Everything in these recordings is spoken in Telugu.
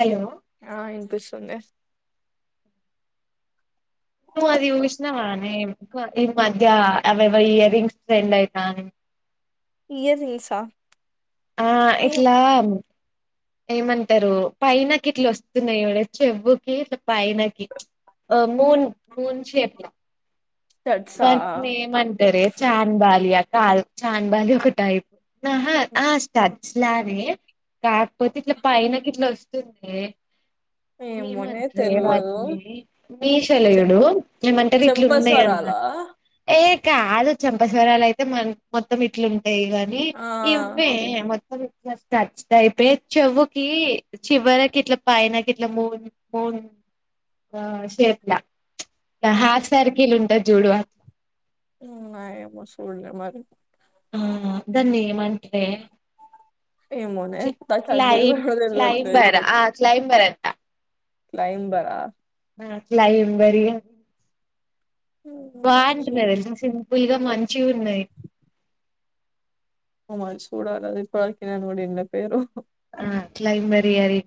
హలో ఆ ఇన్పిస్తుంది. నువ్వు అది చూసినావానే ఎక్కువ ఈ మధ్య అవేవో ఇయర్ రింగ్స్ ట్రెండ్ అయితా అని ఇయర్ రిస్సా ఆ ఇట్లా ఏమంటారు పైనకి ఇట్లా వస్తున్నాయ్ చెవ్వుకి ఇట్లా పైనకి అ మూన్ మూన్ షేప్లా వన్ ఏమంటారే చాన్ బాలియా ఆ కాదు చాన్ బాలి ఒక టైపు ఆహ ఆ స్టా ర్స్ లానే కాక్పోతే ఇట్లా పైనకి ఇట్లా వస్తుందే ఏమోనే ఏమంట్రే తెల్వదు వాట్ని మీషోలో చూడు ఏమంటారు ఇట్లు ఉన్నయ్. అలా ఏ కాదు చెంపస్వరాలు అయితే మన మొత్తం ఇట్లుంటాయి గానీ ఆ ఇవ్వే మొ [unintelligible] చెవ్వుకి చివరకి ఇట్లా పైనకి ఇట్లా మూన్ మూ మూన్ షేప్లా హాఫ్సార్కీలు ఉంటద్ జూడు ఉమ్ ఆ ఏమో సూడ్లే మరి ఆ దాన్నీ ఏమంట్రే ఏమోనే నాకు అది క్లై తెల్వనే తెల్వట్లేదు క్లైంబర ఇప్పుడు ఆ క్లైంబర్ అ క్లైంబరా ఆ క్లైమ్ బరియే చూ బాగుంటున్నాయ్ తెల్సా సింపుల్గా మంచిగా ఉన్నాయ్. ఏమో సూడాల అది ఇప్పడ్ వరకి వినన్ కూడా విన్లేదు పేరు ఆ క్లైంబరి అది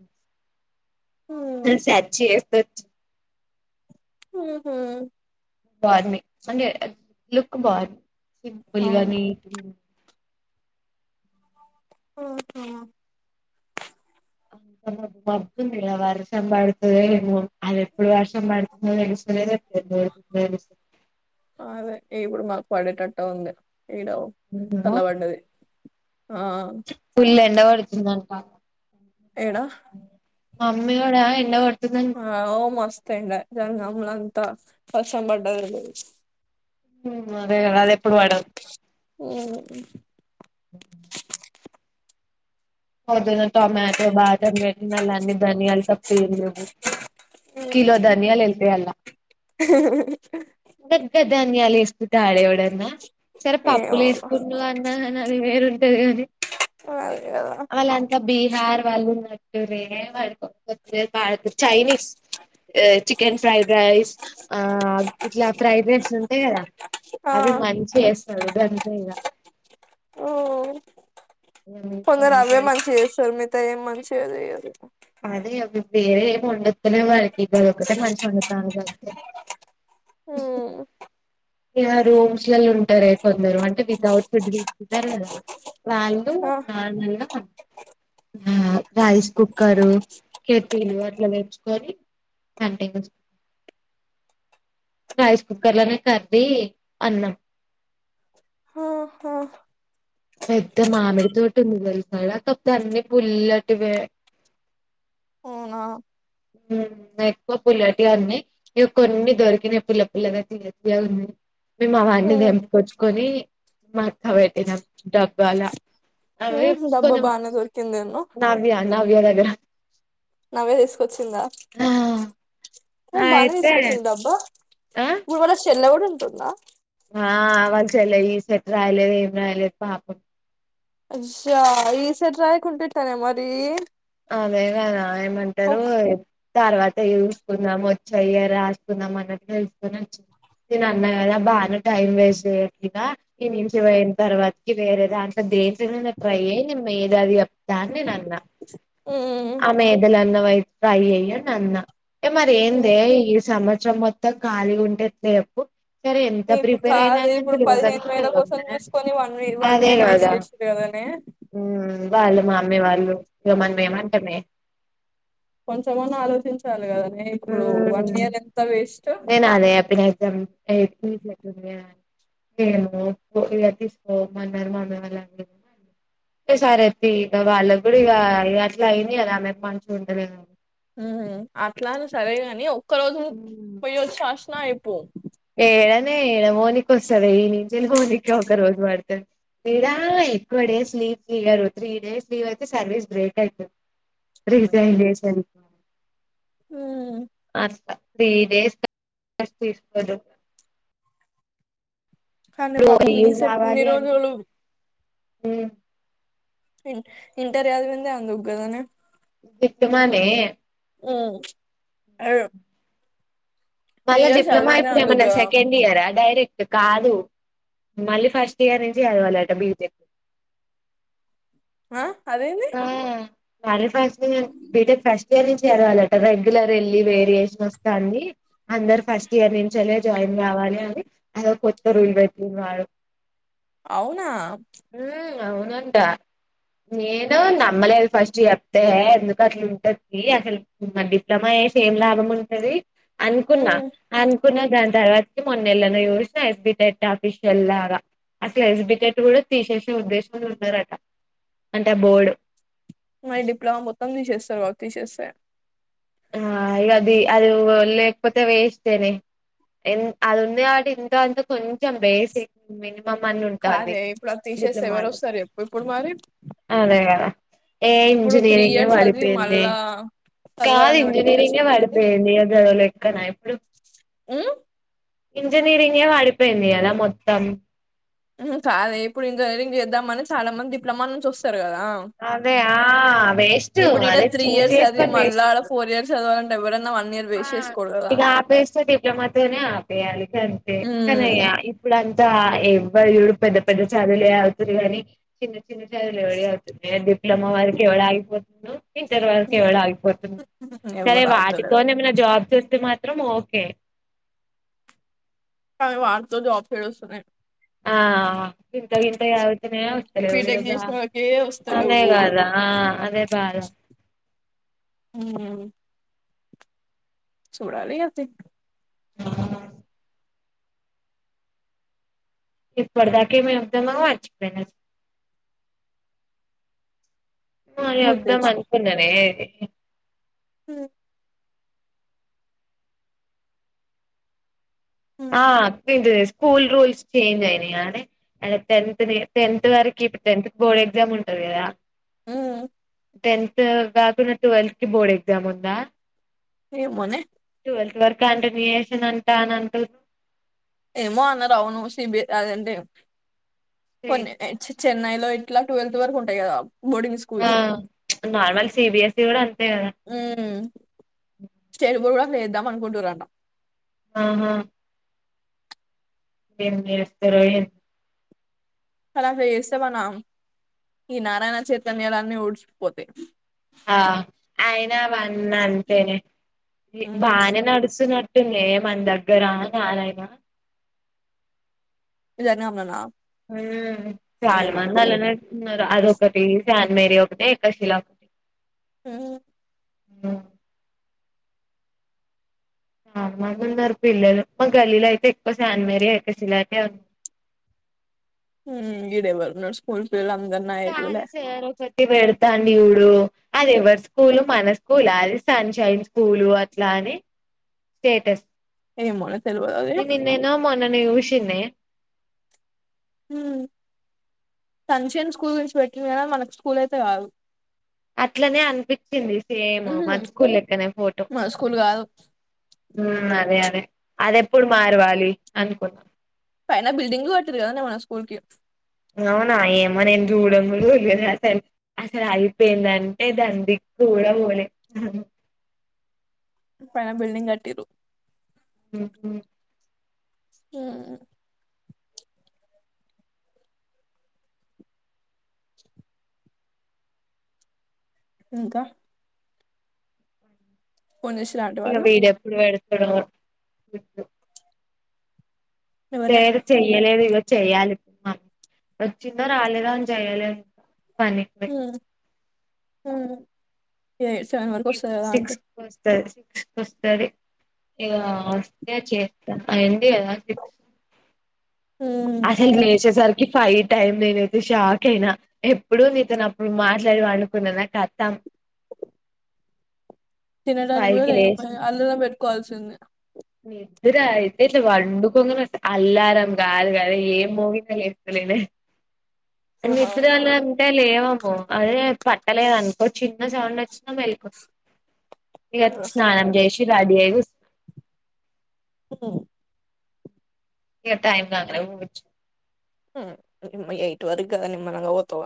సర్చ్ చేసొచ్ ఊహు బాంది మంచిగా లుక్ బాంది అవునా సింపుల్గానీ నీట్ ఆ హొ మబ్బుంది కదా వర్షంబడుతది ఎమో అది ఎప్పుడు వర్షంబడుతుం తెలుస్తలే ఆహా [unintelligible] అదే ఇప్పుడు మాకు పడేటట్టే ఉంది ఈడ నిన్న చల్లబడ్డది ఆ ఆ పుల్ ఎండ పడుతుందంట. ఏడా మమ్మీకాడా ఎండ పడ్ ఆ ఓ మస్త్ ఎండ జ అమ్లంతా వర్షంబడ్డది. ఉమ్ అదే కదా అదే ఎప్పుడు పడద్ పొద్దున్న టొమాటో బాజామ్ పెట్టిన లన్నీ ధనియాల్ తప్పే ఏమి లేవు కిలో ధనియాలు అయితాయి అంట ద ధనియాలు వాడేవడన్న సరే పప్పులు ఏమో వేసుకున్నా అన్నా కాని అది వేరుంటది గానీ అ వాళ్లంతా బీహార్ వాళ్ళున్న నువ్వే మనకు [unintelligible] చైైనీస్ చికెన్ ఫ్రైడ్ రైస్ ఆ ఇట్లా ఫ్రైడ్ రైస్ ఉంటాయి కదా ఆ అవి మంచి చేస్తాడు గంతే ఇగా ఓ కొందరు అవే మంచిగా చేస్తారు మిగతా ఏం మంచిగా చేయదు అదే వేరే ఏం వండద్దు వాకిప్పు ఒకటి మంచిగా వండుతా ఉ ఇలా రూమ్స్ లో ఉంటార కొందరు అంటే వితౌట్ ఫుడ్ తీసుకుంటారు కదా వాళ్ళు ఆ నాలుల ఆ రైస్ కుక్ కారు కిటీలు అట్లా పెంచుకొని వన్ [unintelligible] రైస్ కుక్కర్లోనే కది అన్నం ఆహా పెద్ద మామిడితోటిందిక అన్నీ పుల్లటివే అవునా ఉ ఎక్కువ పుల్లటి అన్ని ఇ కొన్ని దొరికినా పుల్ల పుల్లగా తీయ తియ్యగా ఉంది మేము అవన్నీ ఉమ్ దెంపుకొచ్చుకొని మా అక్క పెట్టినాం డబ్బాలా అవి ఉమ్ డబ్బా కొంచెం బానే దొరికిందేమో నావ్య నావ్య దగ్గర నవ్య ఆ, ఏ బానే అయితే తీసుకొచ్చిందబ్బ ఆ ఇప్పుడు మళ్ళ చెల్ల కూడా ఉంటుందా ఆ వాళ్ల చెల్లె ఈసెట్ రాయలేదు ఏం రాయలేదు పాపం ఇష్షా ఈసెట్ రాయకుంట ఎట్టనే మరి అదే గదా ఏమంటారు ఒక్ తర్వాత చూసుకుందాం వచ్చియ రాసుకుందాం అనకు తెలుసుకొని వచ్చింది నేను అన్నా కదా బాగానే టైం వేస్ట్ చెయ్యట్లేగా ఈ నుంచి పోయిన తర్వాతకి వేరే దాట్ [unintelligible] ట్రై అయ్యింది మేధావి అ దాన్ని నన్న ఉమ్ ఆమే దలన్న వైపు ట్రై అయ్య నన్న మరి ఉమ్ ఏందే ఈ సంవత్సరం మొత్తం ఖాళీ ఉండేది లేేపు ఇప్పుడు కాదు ఇప్పుడు పదిహేను వేల కోసం చదవంగానే చూసుకొని one year one year waste చేసిరు కదా నా ఉమ్ వాళ్ళు మా అమ్మీ వాళ్ళు మనం ఎమంటామే కొంచెమన్నా ఆలోచించాలి కదా ఉ నేను అదే చెప్పిన [unintelligible] ఏది లేకున్నా నేను ఇలా తీసుకోమన్నారు మా నానాళ్ళు సార్ ఎప్పి ఇక వాళ్ళకు కూడా ఇక అట్లా అయినాయి కదా ఆమెకు మనసు ఉండదేమో ఉ అట్లాని సరేగాని ఒక్క రోజు పోయ్యచ్చి రాసిన అయి ఏళనే ఏడ పోనికి వస్తదే ఈ నింజేను మోనికి ఒక రోజు పడతాది ఇడా ఎక్కువ డేస్ లీవ్ తీయరు త్రీ డేస్ లీవ్ అయితే సర్వీస్ బ్రేక్ అయితది రిజైన్ చేసేయాలి ఉమ్ అట్ట త్రీ డేస్ [unintelligible] తీసుకోరు కానీ ఇప్పుడు పాపం ఈ లీవ్ సెట్ ఇన్ని కావాలి రోజులు [inaudible] ఉ ఇ ఇంటర్ చదివింది అందుకు కదా నే తిట్టుమని ఉ అది మళ్ళ డిప్లమా అయిపోయిన అందుకు ఎమన కదా సెకండ్ ఇయర డై తిక్ కాదు మళ్ళీ ఫస్ట్ ఇయర్ నుంచి చదవాలట బీటెక్ ఆ అదేంది మడ ఫ్యాషన్ బేటే ఫషన్ రి చేరవాలట రెగ్యులర్ వెళ్ళి వేరియేషన్స్ కాన్ని అందరు ఫస్ట్ ఇయర్ నుంచలే జాయిన్ కావాలి అని అద కొత్త రూల్ పెట్టింది వాళ్డ అవునా అవునుంటా నేను నమ్మలేదు ఫస్ట్ చెప్తే ఎందుకు అసలు ఉంటది అసలు మ డిప్లోమా అయసి ఏం లాభం ఉంటది అనుకున్నా ఉమ్ అ న్న దాని తర్వాత మొన్నెళ్లని చూస్తిన ఎస్బిటెట్ ఆఫీషియల్ లాగా అసలు ఎగ్జిబిటెట్ కూడా తీసేసే ఉద్దేశం ఉన్నారట అంటే ఆ బోర్డు మరి డిప్లలోమా మొత్తం తీ చేస్తారు వర్క్ తీ చేస్తే ఆ ఇ అది అది లేకపోతే వేస్తేనే అదిన్న అటి ఇంత అంత కొంచం బేసి మ మమని ఉంటుంది కాదే ఇప్పుడు అది తీసేస్తే ఎవరు డిప్లొమలోకి వస్తారు చెప్పు ఇప్పుడు మరి అదే కదా ఏ ఇప్పుడు త్రీ ఎంజినీయరింగ్ ఇయర్స్ చదివి వారిపోన్నే మళ్ళా కాదు చదవాలని ఎవరికి ఇంట్రెస్ట్ ఇంజనీరింగే ఉంటది పడిపోయింది అ గడలెక్కన ఇప్పుడు ఆ ఇంజినీరింగ్ వాడిపోయింది అదా మొత్తం కాదదు ఇప్పుడు ఇంజనీరింగ్ చేద్దామని చాలా మంది డిప్లొమా నుంచి వస్తారు కదా అదే ఆ వేస్ట్ ఇప్పుడు అదే త్రీ చూజ్ ఇయర్స్ చదివి చేసుకొని వేస్ట్ మళ్ళడ ఇప్పుడు ఫోర్ ఇయర్స్ చదివంట విశే ఇక ఆపేస్తే డిప్లొమాతోనే ఆపేయాలిక అంతే కానీయ ఉమ్ ఇప్పుడు అంతే ఎవరురు పెద్ద పెద్ద చదులు అతురు కానీ చి చిలు ఎవ అతుంది డిప్లోమా వర్క ఎవ అయిపోతుంది ఇంటర్ వరకు ఎవళ ఆగిపోతుంది సరే ఎవ్వరు వాటి అవుతలేరు జాబ్స్ వస్తే మాత్రం ఓకే తమె వాళ్తో జా ఫెరుసునే ఆ చింత గంత వతనే వస్తలే బీటెక్ అయగా చేసిన వాళ్ళకే అదే వస్తలేవు కాదా ఆ అదే బాధ అ చూడాల అతే ఏ పడదాకి మ ఎదామవాజ ప అ గుర్తు వద్దాం అనుకున్నానే హ ఉమ్ ఆ స్కూల్ రూల్స్ంజ్ అయిే అ ట టెన్త్ వర ఇప్పుడు టెన్త్ బోర్డ్ ఎగ్జామ్ ఉంటది కదా హ టెన్త్ కాకుడా ట్వెల్త్ కి బోర్డ్ ఎగ్జామ్ ఉందా ఏ మనే ట్వల్త్ వరకు అంటన్యూ చేసను అంటా అని అంటు ఏమో అన్న రావును సిబి అదంటే కొన్ని చెన్నైలో ట్లాట్వల్త్ వకు ఉంటాదా మోడంగ్ స్కూల్ ఆ చ నార్మల్ సిబిఎస్ఈ కూడా అంతే కదా స్టేజ బోడు కూడా కూడా నరుద్దా మనుకొంట వరం ఆహా ఏ న వస్త రయ అలాగ వేస్తే మనం ఈ నారాయణ చైతన్యాలన్నీ ఊడ్చిపోతే ఆ అయనా వన్న అంతేనే మ్మ్ బానే నడుచు న ఉంటుంది మన దగ్గరా ననయనా ఇది అన్ననా మ్మ్ చాలా మంది అలానే అది ఒకటి ఏసి అన్ మెరి ఒకటి కషిలా ఒకటి మ్మ్ అవున ఆ మాకు కూడ ఉన్నారు పిల్లలు మా గల్లీలో అయితే ఎక్కువ శాన్మేరీ ఎక శిలానే ఉంది వీడు ఎవ్వరు నా స్కూల్ పిల్లలందరూ నా ఏజ్ వాల్లే పెడతాం ఇడు అది ఎవరి స్కూల్ మన స్కూల్ అది సన్ షైన్ స్కూల్ అట్లా స్టేటస్ ఏమన్న తెలువద ఏ మొన్నానే ఉషిన్నే ఫంక్షన్స్ స్కూల్ గురించి పెట్టార మనకి స్కూల్ అయితే కాదు అట్లనే అనిపించింది సేమ్ మ్మ్ హు మన స్కూల్ లెక్కనే ఫోటో మన స్కూల్ కాదు మ్మ్ అదే అదే అది ఎప్పుడు మారవాలి అనుకున్నాం పైన బిల్డింగ్లు కట్టిర్రు కదా మన స్కూల్ కి అవునా ఏమో నేన్ చూడనిదే అసల్ అసలు అయిపోయిందంటే దా దకు ఉను పైన బిల్డింగ్ కట్టిర్రు ఓహో అవును ఇంకా ఫోన్ చేసిర్రా ఆంటీ ఇంకా వాళ్ళు డేట్ ఎప్పుడు పెడతాడొ ఎవరే వేరు చెయ్యలేదు ఇగ చెయ్యాలి వచ్చిందో రాలేదొ అని చెయ్యాలేదు పనికి పొయాడు ఉను సిక్స్ కి వస్తాడు వస్తాది ఇక వస్తే చేస్తారు మ్మ్ అసలు నువ్వు ఏడ్చేసారికి ఫైట్ అయింది నేనైతే షాక్ అయినా ఎప్పుడు నీతోను అప్పుడు మాట్లాడి అనుకున్నా నా కతాం తినడానికే ఫైవ్ లేదు కి లేసిన అలారం పెట్టుకొవాల్సింది నిద్ర అయితే ఇట్లా పండుకోంగానే అలారం కాదు కాద ఏం మోగిందా లేస్తలేదు ఆహా నిద్ర అవునా లో అంతేలే ఏమో అదే పట్టలేదనుకో చిన్న సౌండ్ వచ్చిన మెళుకువా ఇగ అది కూడా స్నానం కరెక్టే జెసి రెడి అయ్యి కూస్ మ్మ్ ఇంగా టైమ్ కదురా ఉవొచ్చు ఇటు వరకు కాదని [unintelligible] నిమ్ మనగా ఓతవ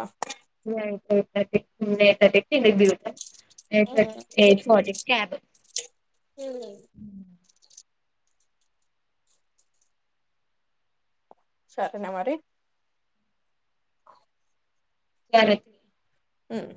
మీ అయన తొటి [unintelligible] ఎ ఫర్ ఎడిసీనావు ఉమ్, అంటే క్కా ఉమ్. సరేనా మరి సరే ఉను